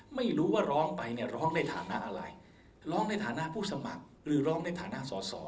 ไม่รู้ว่าร้องไปเนี่ยร้องในฐานะอะไรร้องในฐานะผู้สมัครหรือร้องในฐานะสอสอ